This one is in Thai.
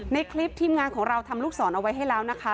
ในคลิปทีมงานของเราทำลูกศรเอาไว้ให้แล้วนะคะ